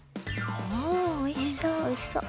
おおおいしそう。